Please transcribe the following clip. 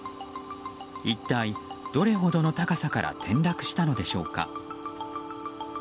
一体、どれほどの高さから転落したのでしょうか。